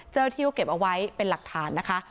เจ้าที่ก็เก็บเอาไว้เป็นหลักฐานนะคะ